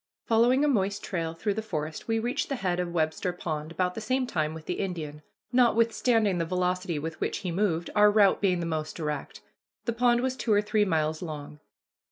Following a moist trail through the forest, we reached the head of Webster Pond about the same time with the Indian, notwithstanding the velocity with which he moved, our route being the most direct. The pond was two or three miles long.